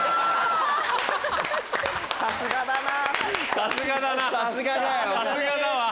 さすがだわ！